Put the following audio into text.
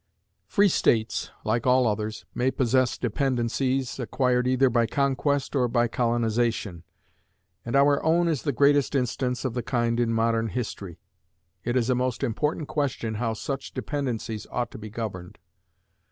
Free states, like all others, may possess dependencies, acquired either by conquest or by colonization, and our own is the greatest instance of the kind in modern history. It is a most important question how such dependencies ought to be governed.